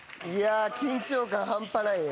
緊張感半端ないね。